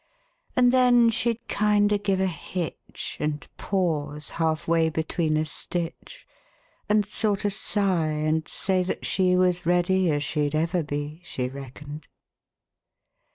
And then she'd kinder give a hitch, And pause half way between a stitch. And sorter sigh, and say that she Was ready as she'd ever be. She reckoned.